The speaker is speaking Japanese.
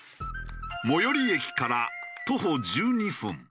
最寄り駅から徒歩１２分。